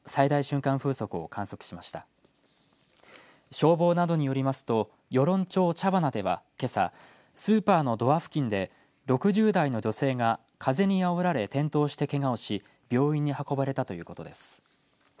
消防などによりますと与論町茶花ではけさスーパーのドア付近で６０代の女性が風にあおられ転倒してけがをし、病院に運ばれたということです。